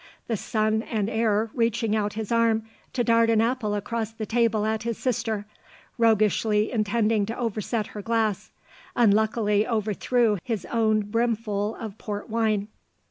the son and heir reaching out his arm to dart an apple across the table at his sister, roguishly intending to overset her glass, unluckily overthrew his own brimful of port wine."